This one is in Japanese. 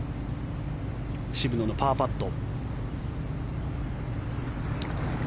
渋野のパーパット。